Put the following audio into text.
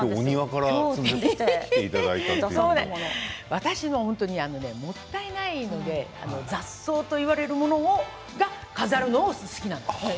私はもったいないので雑草と言われるものを飾るのが好きなんです。